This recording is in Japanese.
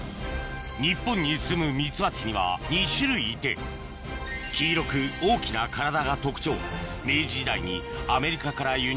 日本にすむミツバチには２種類いて黄色く大きな体が特徴